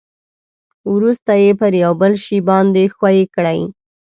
ورسته یې پر یو بل شي باندې ښوي کړئ.